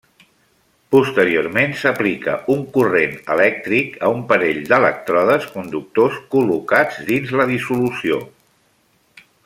Posteriorment s'aplica un corrent elèctric a un parell d'elèctrodes conductors col·locats dins la dissolució.